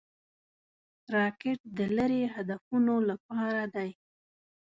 راکټ د لیرې هدفونو لپاره دی